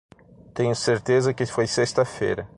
Tenho certeza que foi sexta-feira.